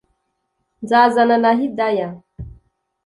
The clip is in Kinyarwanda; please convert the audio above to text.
nzazana na hidaya”